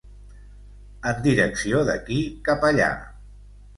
En direcció d'aquí cap allà.